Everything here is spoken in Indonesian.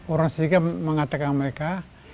orang sika mengatakan mereka